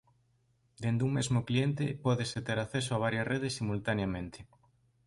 Dende un mesmo cliente pódese ter acceso a varias redes simultaneamente.